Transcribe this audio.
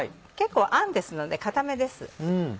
結構あんですので固めです。